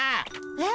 え？